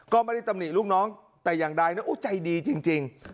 ก็ไม่ได้ตำหนิลูกน้องแต่อย่างใดนะโอ้ใจดีจริง